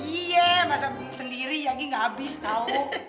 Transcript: iya masa sendiri lagi enggak habis tau